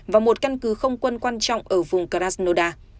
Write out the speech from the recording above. và một căn cứ không quân quan trọng ở vùng carasnoda